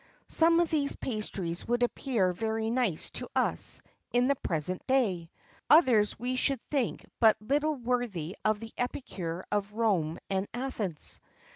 Some of these pastries would appear very nice to us in the present day; others we should think but little worthy of the epicures of Rome and Athens.